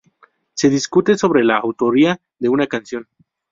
Se discute sobre la autoría de una canción.